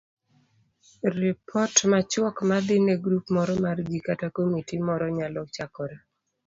Ripot machuok madhi ne grup moro mar ji kata komiti moro nyalo chakore